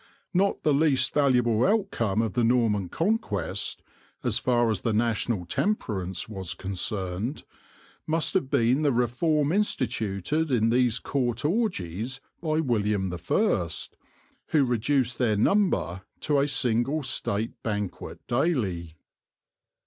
Not the least valuable outcome of the Norman Conquest, as far as the national temperance was concerned, must have been the reform instituted in these Court orgies by William the First, who reduced their number to a single state banquet daily.